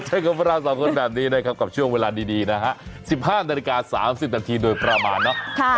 เอาล่ะกับช่วงเวลาดีนะฮะ๑๕นาฬิกา๓๐นาทีโดยประมาณเนอะ